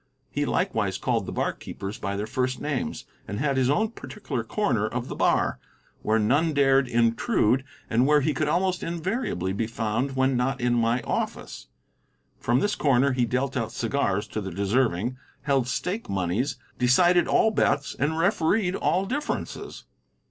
He likewise called the barkeepers by their first names, and had his own particular corner of the bar, where none dared intrude, and where he could almost invariably be found when not in my office. From this corner he dealt out cigars to the deserving, held stake moneys, decided all bets, and refereed all differences.